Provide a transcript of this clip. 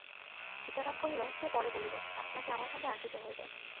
সীতারাম কহিল, সে পরে বলিব, আপনাকে আমার সঙ্গে আসিতে হইবে।